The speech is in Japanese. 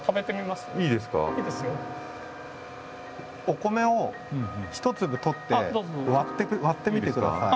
お米を一粒取って割ってみてください。